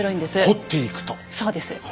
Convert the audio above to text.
そうです。